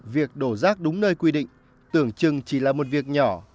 việc đổ rác đúng nơi quy định tưởng chừng chỉ là một việc nhỏ